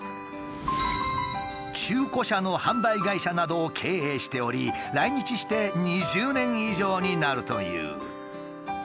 中古車の販売会社などを経営しており来日して２０年以上になるという。